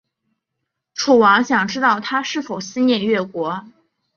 楚王想知道他是否思念越国。